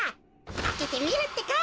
あけてみるってか！